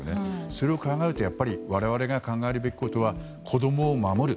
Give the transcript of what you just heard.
それを考えるとやっぱり我々が考えるべきことは子供を守る。